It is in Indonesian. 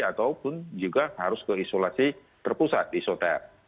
ataupun juga harus ke isolasi terpusat di isoter